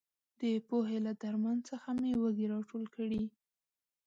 د پوهې له درمن څخه مې وږي راټول کړي.